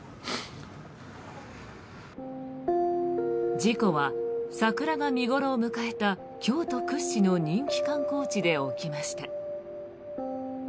事故は、桜が見頃を迎えた京都屈指の人気観光地で起きました。